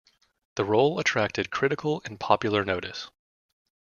The role attracted critical and popular notice.